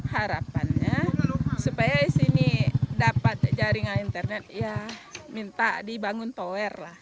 harapannya supaya di sini dapat jaringan internet ya minta dibangun tower lah